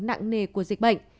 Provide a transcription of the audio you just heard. nặng nề của dịch bệnh